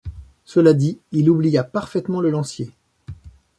Cela dit, il oublia parfaitement le lancier.